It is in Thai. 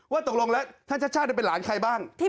ว่าตกลงแล้วท่านชัดด้วยเป็นหลานใครบ้าง